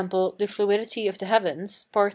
the fluidity of the heavens, Part III.